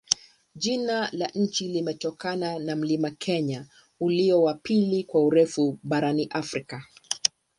Jina la nchi limetokana na mlima Kenya, ulio wa pili kwa urefu barani Afrika.